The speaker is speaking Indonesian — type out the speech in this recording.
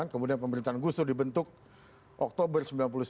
kemudian pemerintahan agustus dibentuk oktober sembilan puluh sembilan